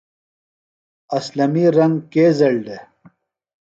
اسلمی رنگ کے زیڑ دےۡ؟